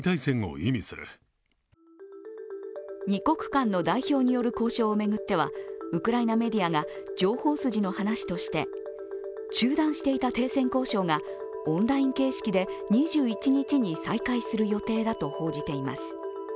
２国間の代表による交渉を巡ってはウクライナメディアが情報筋の話として中断していた停戦交渉がオンライン形式で２１日に再開する予定だと報じています。